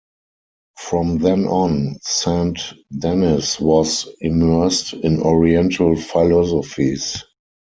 From then on, Saint Denis was immersed in Oriental philosophies.